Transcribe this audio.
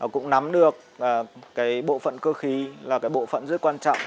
cũng nắm được cái bộ phận cơ khí là cái bộ phận rất quan trọng